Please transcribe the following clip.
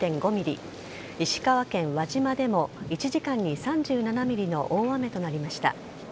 石川県輪島でも１時間に３７ｍｍの大雨となりました。